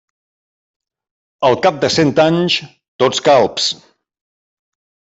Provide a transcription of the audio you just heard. Al cap de cent anys, tots calbs.